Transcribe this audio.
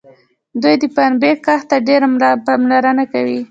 دوی د پنبې کښت ته ډېره پاملرنه کوي.